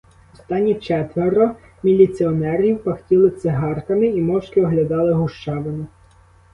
Останні четверо міліціонерів пахтіли цигарками і мовчки оглядали гущавину.